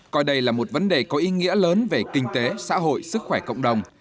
coi đây là một vấn đề có ý nghĩa lớn về kinh tế xã hội sức khỏe cộng đồng